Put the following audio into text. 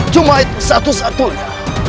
cuma itu satu satunya